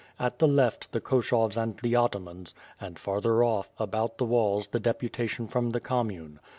At the left, the Ko shavs and the atamans, and farther off, about the walls the deputation from the Commune.